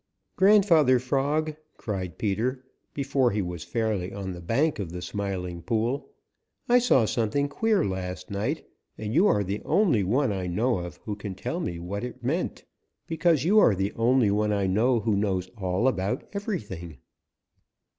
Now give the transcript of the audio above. "Grandfather Frog," cried Peter before he was fairly on the bank of the Smiling Pool, "I saw something queer last night, and you are the only one I know of who can tell me what it meant, because you are the only one I know who knows all about everything."